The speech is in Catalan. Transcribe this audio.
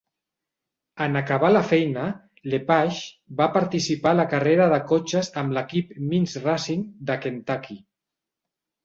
En acabar la feina, Lepage va participar a la carrera de cotxes amb l'equip Means Racing, de Kentucky.